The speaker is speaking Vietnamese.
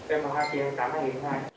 em vào hai kỳ tháng năm hai nghìn hai mươi hai